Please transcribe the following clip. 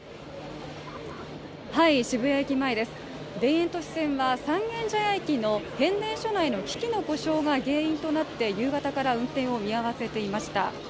渋谷駅前です、田園都市線は三軒茶屋駅の変電所内の機器の故障が原因となって夕方から運転を見合わせていました。